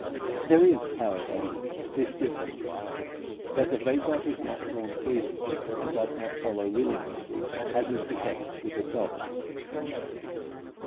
There is, however, this difference, that the vapour is not drawn freely, and does not follow willingly, as is the case with the soul.